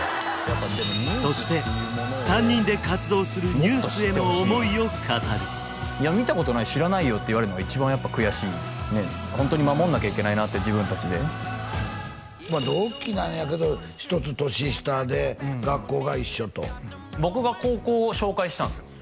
そして３人で活動するＮＥＷＳへの想いを語る見たことない知らないよって言われるのが一番やっぱ悔しいホントに守んなきゃいけないなって自分達でまあ同期なんやけど１つ年下で学校が一緒と僕が高校を紹介したんですよ